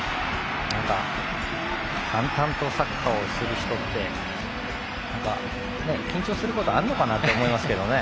たんたんとサッカーをする人ってもう緊張することあるのかなと思いますけどね。